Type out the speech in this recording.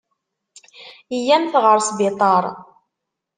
Yya-mt ɣer sbiṭar.